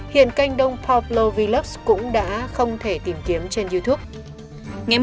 hiện kênh đông poplo vylux cũng đã không thể tìm kiếm trên youtube